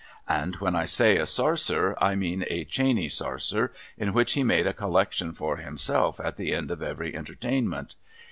And when I say a sarser, I mean a Chaney sarser in which he made a collection for himself at the end of every Entertainment.